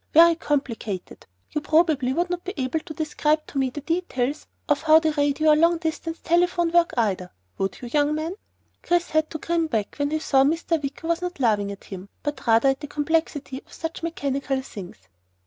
Very complicated. You probably would not be able to describe to me the details of how the radio or long distance telephone work either, would you, young man?" Chris had to grin back when he saw that Mr. Wicker was not laughing at him, but rather at the complexity of such mechanical things.